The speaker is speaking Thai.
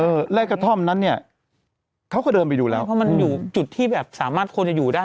ไล่กระท่อมนั้นเนี่ยเขาก็เดินไปดูแล้วเพราะมันอยู่จุดที่แบบสามารถควรจะอยู่ได้